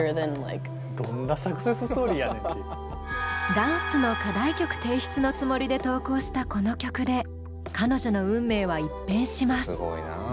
ダンスの課題曲提出のつもりで投稿したこの曲で彼女の運命は一変します。